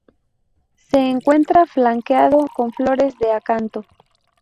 Se encuentra flanqueado con flores de acanto.